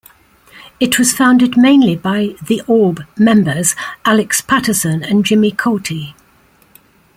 It was founded mainly by The Orb members Alex Paterson and Jimmy Cauty.